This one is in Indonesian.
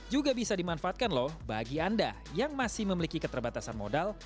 juga bisa dimanfaatkan loh bagi anda yang masih memiliki keterbatasan modal